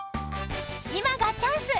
今がチャンス！